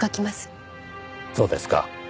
そうですか。